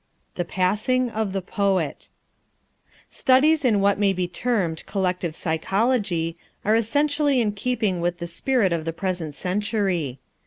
The Passing of the Poet Studies in what may be termed collective psychology are essentially in keeping with the spirit of the present century.